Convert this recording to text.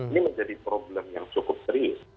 ini menjadi problem yang cukup serius